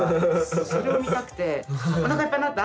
それを見たくておなかいっぱいになった？